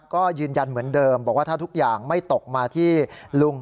ก็ยืนยันเหมือนเดิมบอกว่าถ้าทุกอย่างไม่ตกมาที่ลุง